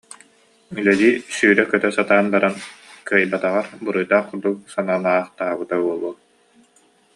Үлэлии, сүүрэ-көтө сатаан баран, кыайбатаҕар буруйдаах курдук сананаахтаабыта буолуо